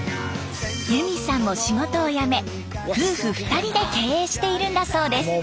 ゆみさんも仕事を辞め夫婦２人で経営しているんだそうです。